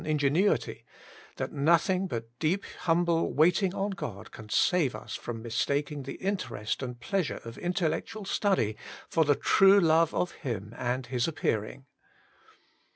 ingenuity, that nothing but deeply humble wait ing on God can save us from mistaking the interest and pleasure of intellectual study for the true love of Him and His appearing.